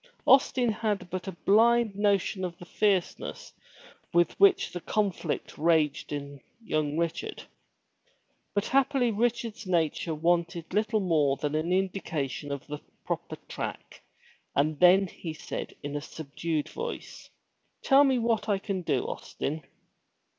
Austin had but a blind notion of the fierceness with which the conflict raged in young Richard. But happily Richard's nature wanted little more than an indication of the proper track and then he said in a subdued voice, "Tell me what I can do, Austin."